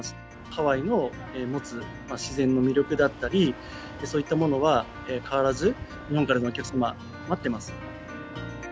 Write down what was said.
ハワイの持つ自然の魅力だったり、そういったものは変わらず日本からのお客様、待ってます。